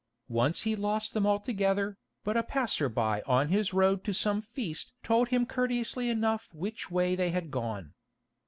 Once he lost them altogether, but a passer by on his road to some feast told him courteously enough which way they had gone.